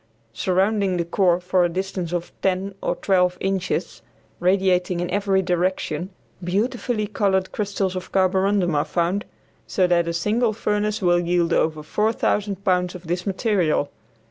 Surrounding the core for a distance of ten or twelve inches, radiating in every direction, beautifully colored crystals of carborundum are found, so that a single furnace will yield over 4000 pounds of this material.